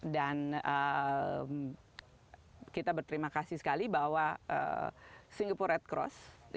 dan kita berterima kasih sekali bahwa singapore red cross itu menjadi pendana tersebut